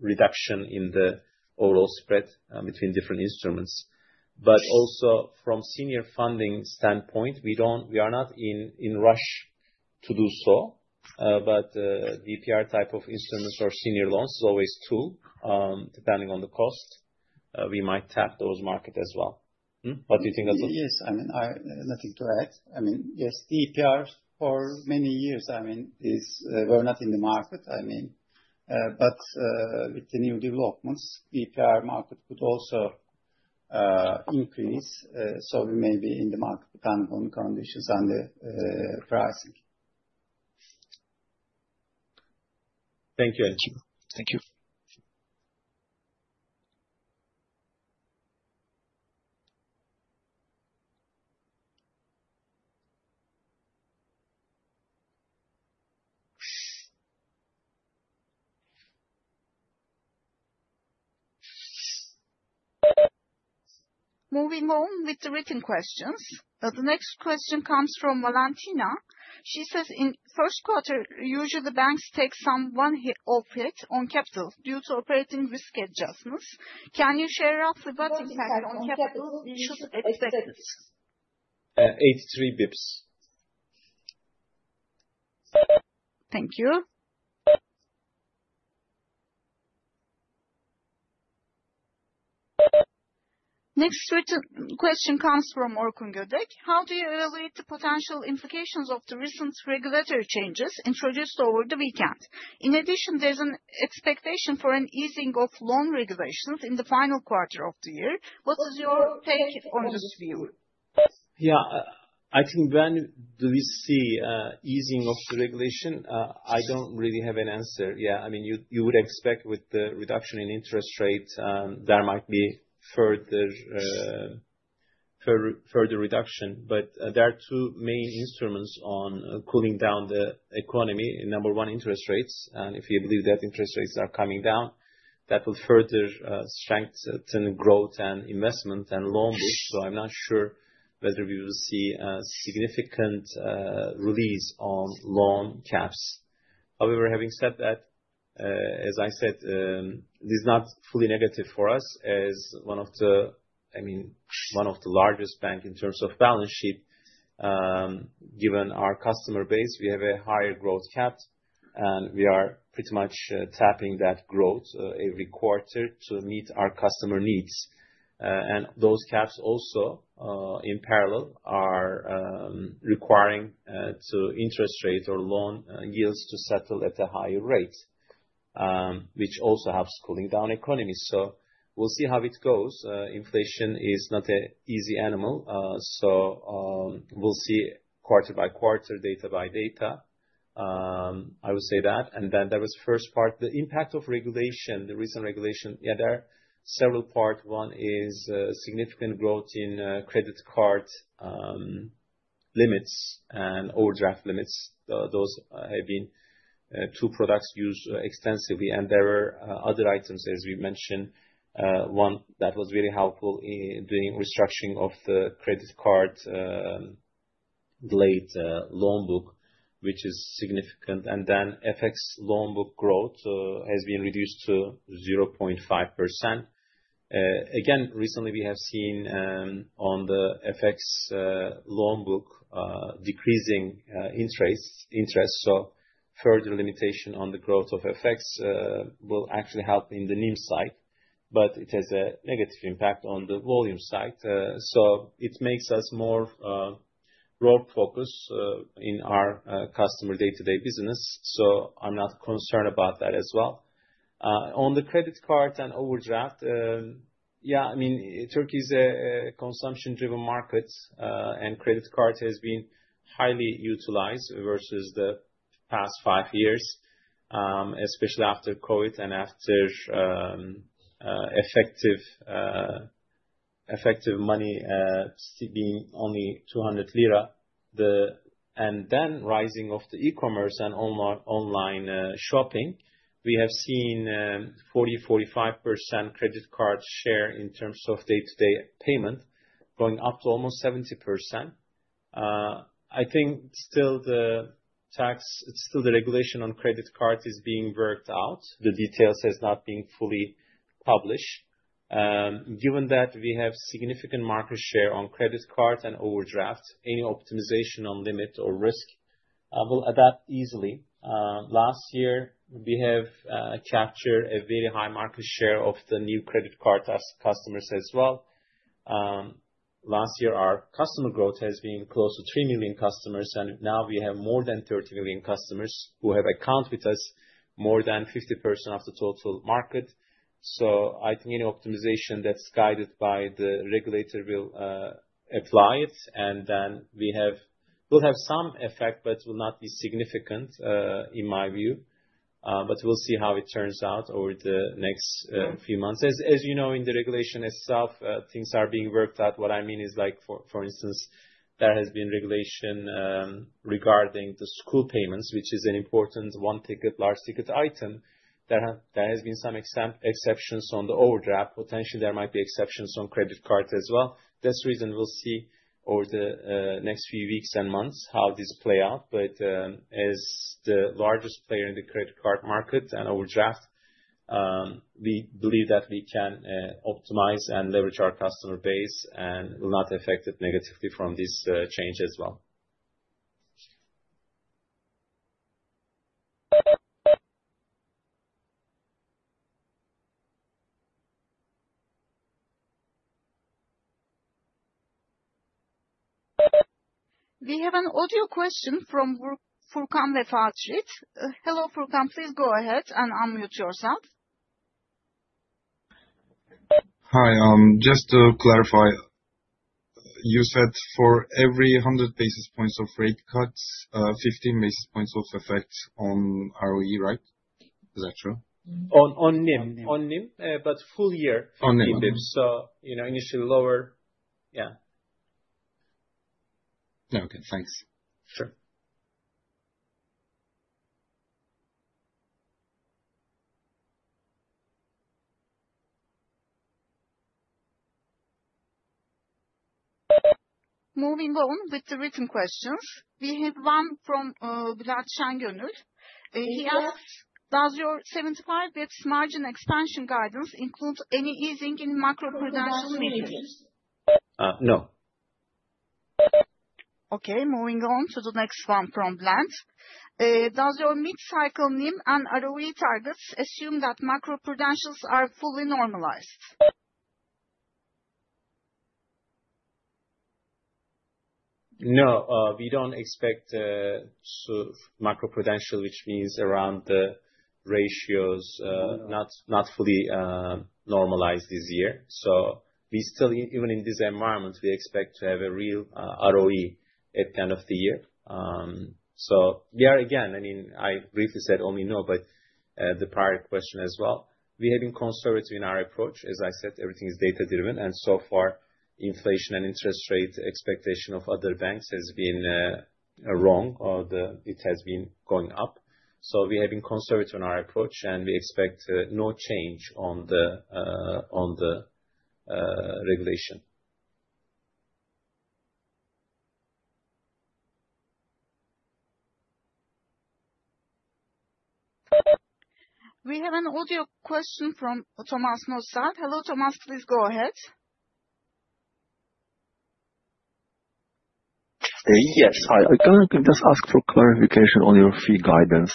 reduction in the overall spread between different instruments. But also from senior funding standpoint, we are not in rush to do so. But DPR type of instruments or senior loans is always too, depending on the cost. We might tap those market as well. What do you think of that, Atil? Yes. I mean, nothing to add. I mean, yes, DPRs for many years, I mean, were not in the market. I mean, but with the new developments, DPR market could also increase. So we may be in the market depending on the conditions and the pricing. Thank you. Thank you. Moving on with the written questions. The next question comes from Valentina. She says, "In first quarter, usually the banks take some one-off hit on capital due to operational risk adjustments. Can you share roughly what impact on capital we should expect?" 83 basis points. Thank you. Next written question comes from Orkun Gödek. "How do you evaluate the potential implications of the recent regulatory changes introduced over the weekend? In addition, there's an expectation for an easing of loan regulations in the final quarter of the year. What is your take on this view?" Yeah. I think when do we see an easing of the regulation? I don't really have an answer. Yeah. I mean, you would expect with the reduction in interest rate, there might be further reduction. But there are two main instruments on cooling down the economy. Number one, interest rates. And if you believe that interest rates are coming down, that will further strengthen growth and investment and loan book. So I'm not sure whether we will see a significant release on loan caps. However, having said that, as I said, it is not fully negative for us as one of the I mean, one of the largest banks in terms of balance sheet. Given our customer base, we have a higher growth cap, and we are pretty much tapping that growth every quarter to meet our customer needs. Those caps also, in parallel, are requiring interest rate or loan yields to settle at a higher rate, which also helps cooling down economies. So we'll see how it goes. Inflation is not an easy animal. So we'll see quarter by quarter, data by data. I would say that. Then there was the first part, the impact of regulation, the recent regulation. Yeah, there are several parts. One is significant growth in credit card limits and overdraft limits. Those have been two products used extensively. And there were other items, as we mentioned. One that was really helpful in doing restructuring of the credit card delayed loan book, which is significant. And then FX loan book growth has been reduced to 0.5%. Again, recently, we have seen on the FX loan book decreasing interest. So further limitation on the growth of FX will actually help in the NIM side, but it has a negative impact on the volume side. So it makes us more role-focused in our customer day-to-day business. So I'm not concerned about that as well. On the credit card and overdraft, yeah, I mean, Turkey is a consumption-driven market, and credit card has been highly utilized versus the past five years, especially after COVID and after effective money being only 200 lira. And then rising of the e-commerce and online shopping, we have seen 40%-45% credit card share in terms of day-to-day payment going up to almost 70%. I think still the tax it's still the regulation on credit card is being worked out. The details have not been fully published. Given that we have significant market share on credit card and overdraft, any optimization on limit or risk will adapt easily. Last year, we have captured a very high market share of the new credit card as customers as well. Last year, our customer growth has been close to 3 million customers, and now we have more than 30 million customers who have accounts with us, more than 50% of the total market. I think any optimization that's guided by the regulator will apply it. Then we will have some effect, but it will not be significant in my view. We'll see how it turns out over the next few months. As you know, in the regulation itself, things are being worked out. What I mean is, for instance, there has been regulation regarding the school payments, which is an important one-ticket, large-ticket item. There have been some exceptions on the overdraft. Potentially, there might be exceptions on credit card as well. That's the reason we'll see over the next few weeks and months how this plays out. But as the largest player in the credit card market and overdraft, we believe that we can optimize and leverage our customer base and will not affect it negatively from this change as well. We have an audio question from Furkan Vefa Tirit. Hello, Furkan. Please go ahead and unmute yourself. Hi. Just to clarify, you said for every 100 basis points of rate cuts, 15 basis points of effect on ROE, right? Is that true? On NIM. On NIM, but full year. 15 basis points. So initially lower. Yeah. Okay. Thanks. Sure. Moving on with the written questions, we have one from Bülent Şengönül. He asks, "Does your 75 basis points margin expansion guidance include any easing in macroprudential measures?" No. Okay. Moving on to the next one from Bülent. "Does your mid-cycle NIM and ROE targets assume that macroprudentials are fully normalized?" No. We don't expect macroprudential, which means around the ratios, not fully normalized this year. So even in this environment, we expect to have a real ROE at the end of the year. So again, I mean, I briefly said only no, but the prior question as well. We have been conservative in our approach. As I said, everything is data-driven. And so far, inflation and interest rate expectation of other banks has been wrong. It has been going up. So we have been conservative in our approach, and we expect no change on the regulation. We have an audio question from Tomasz Noetzel. Hello, Thomas. Please go ahead. Yes. I can just ask for clarification on your fee guidance.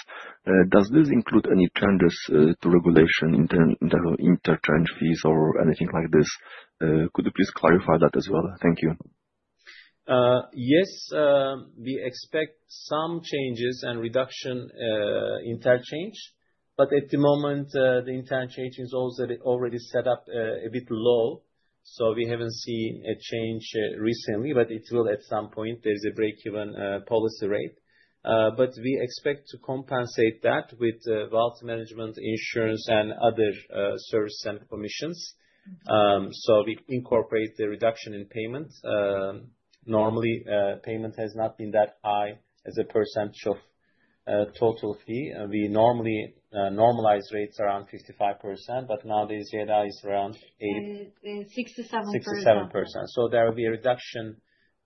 Does this include any changes to regulation in terms of interchange fees or anything like this? Could you please clarify that as well? Thank you. Yes. We expect some changes and reduction in interchange. But at the moment, the interchange is already set up a bit low. So we haven't seen a change recently, but it will at some point. There is a break-even policy rate. But we expect to compensate that with wealth management, insurance, and other service and commissions. So we incorporate the reduction in payment. Normally, payment has not been that high as a percentage of total fee. We normally normalize rates around 55%. But nowadays, yeah, that is around 67%. 67%. So there will be a reduction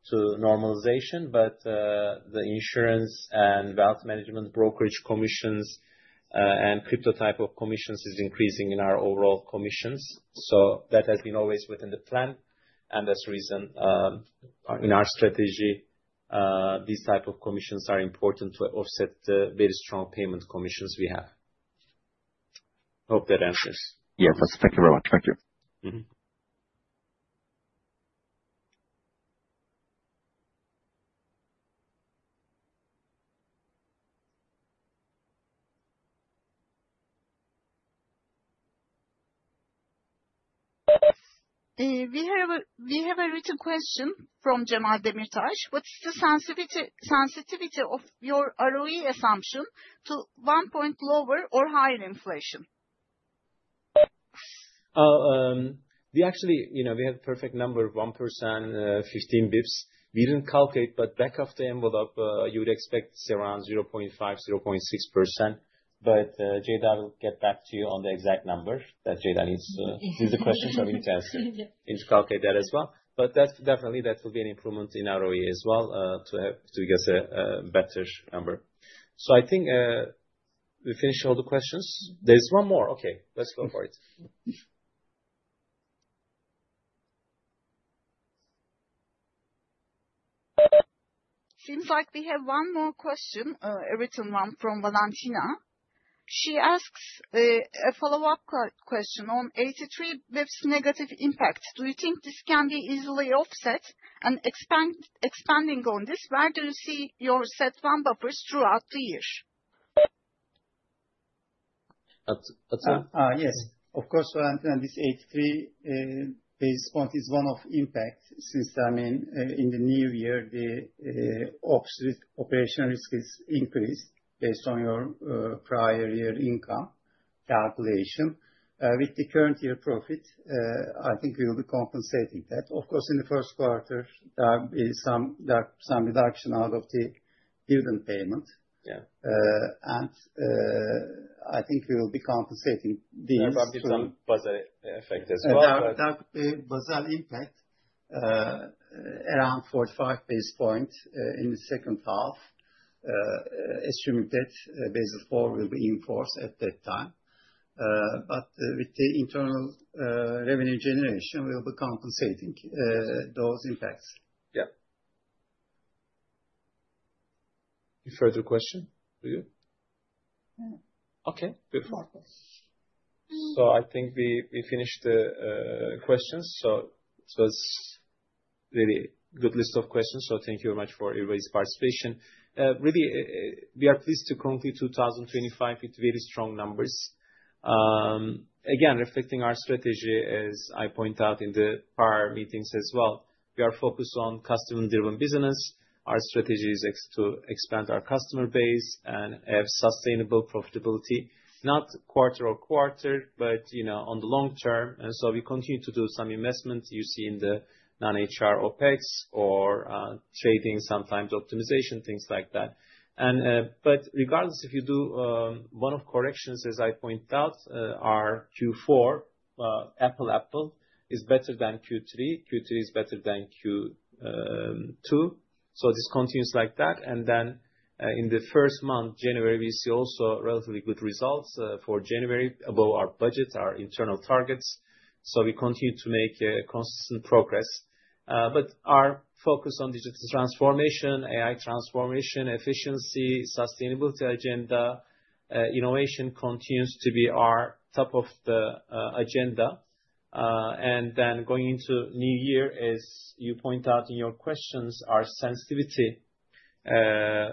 to normalization, but the insurance and wealth management, brokerage commissions, and crypto type of commissions is increasing in our overall commissions. So that has been always within the plan. And that's the reason in our strategy, these type of commissions are important to offset the very strong payment commissions we have. Hope that answers. Yes. Thank you very much. Thank you. We have a written question from Cemal Demirtaş. "What is the sensitivity of your ROE assumption to 1 point lower or higher inflation?" Actually, we have a perfect number of 1%, 15 basis points. We didn't calculate, but back-of-the-envelope, you would expect it's around 0.5%-0.6%. But Ceyda will get back to you on the exact number that Ceyda needs. These are the questions I need to answer. You need to calculate that as well. But definitely, that will be an improvement in ROE as well to get a better number. So I think we finished all the questions. There's one more. Okay. Let's go for it. Seems like we have one more question, a written one from Valentina. She asks a follow-up question on 83 basis points negative impact. "Do you think this can be easily offset? And expanding on this, where do you see your CET1 buffers throughout the year?" Yes. Of course, Valentina, this 83 basis point is one of impact since, I mean, in the new year, the operation risk is increased based on your prior year income calculation. With the current year profit, I think we will be compensating that. Of course, in the first quarter, there will be some reduction out of the dividend payment. And I think we will be compensating these. There might be some baseline effect as well. There could be a baseline impact around 45 basis points in the second half, assuming that Basel IV will be enforced at that time. But with the internal revenue generation, we will be compensating those impacts. Yeah. Any further question for you? Okay. Beautiful. I think we finished the questions. It was a really good list of questions. Thank you very much for everybody's participation. Really, we are pleased to conclude 2025 with very strong numbers. Again, reflecting our strategy, as I point out in the prior meetings as well, we are focused on customer-driven business. Our strategy is to expand our customer base and have sustainable profitability, not quarter or quarter, but on the long term. We continue to do some investment you see in the non-HR OpEx or trading, sometimes optimization, things like that. But regardless, if you do one of corrections, as I point out, our Q4 is better than Q3. Q3 is better than Q2. So this continues like that. And then in the first month, January, we see also relatively good results for January, above our budget, our internal targets. So we continue to make consistent progress. But our focus on digital transformation, AI transformation, efficiency, sustainability agenda, innovation continues to be our top of the agenda. And then going into new year, as you point out in your questions, our sensitivity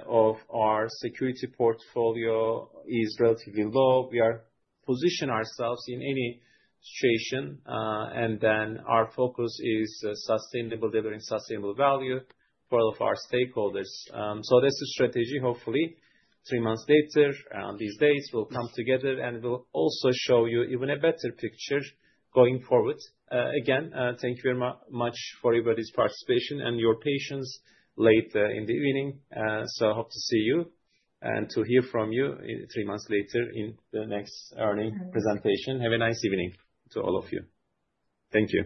of our security portfolio is relatively low. We are positioning ourselves in any situation. And then our focus is delivering sustainable value for all of our stakeholders. So that's the strategy, hopefully. Three months later, around these days, we'll come together and we'll also show you even a better picture going forward. Again, thank you very much for everybody's participation and your patience late in the evening. So I hope to see you and to hear from you three months later in the next earnings presentation. Have a nice evening to all of you. Thank you.